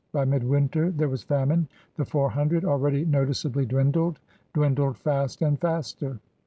By midwinter there was famine. The four him dred — abeady noticeably dwindled — dwindled fast and faster.